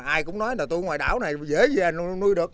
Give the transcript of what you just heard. ai cũng nói là tôi ngoài đảo này dễ về nuôi được